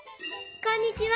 こんにちは！